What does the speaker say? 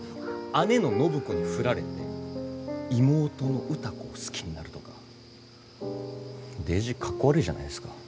姉の暢子に振られて妹の歌子を好きになるとかデージ格好悪いじゃないですか。